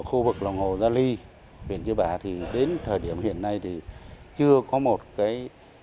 khu vực lòng hồ gia ly huyện chư bả thì đến thời điểm hiện nay thì chưa có một cái